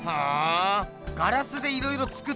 ガラスでいろいろつくってたのか。